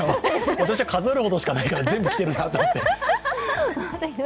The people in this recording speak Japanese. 私は数えるほどしかないから全部着てるなと思って。